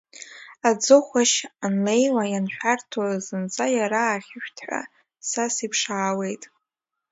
Аӡыхәашь анлеиуа, ианшәарҭоу зынӡа, иара ахьышәҭҳәа са сиԥшаауеит…